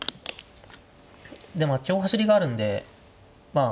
でも香走りがあるんで。